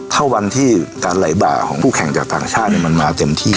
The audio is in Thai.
ถ้าวันที่การไหลบ่าของคู่แข่งจากต่างชาติมันมาเต็มที่